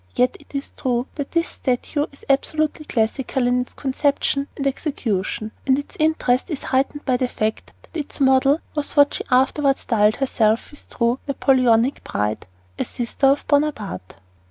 Yet it is true that this statue is absolutely classical in its conception and execution, and its interest is heightened by the fact that its model was what she afterward styled herself, with true Napoleonic pride "a sister of Bonaparte."